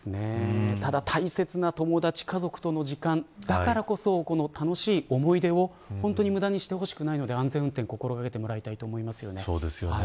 ただ大切な友達家族との時間、だからこそ楽しい思い出を無駄にしてほしくないので安全運転を心掛けてもらいたいです。